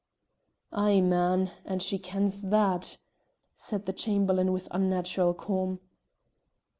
"Ay, man, and she kens that?" said the Chamberlain with unnatural calm.